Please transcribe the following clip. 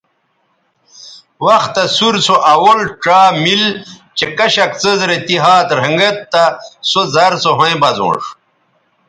وختہ سور سو اول ڇا مِل چہء کشک څیز رے تی ھات رھنگید تہ سو زر سو ھویں بزونݜ